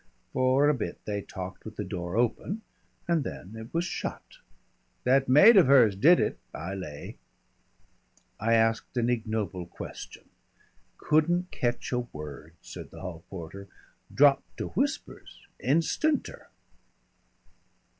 "For a bit they talked with the door open, and then it was shut. That maid of hers did it I lay." I asked an ignoble question. "Couldn't ketch a word," said the hall porter. "Dropped to whispers instanter."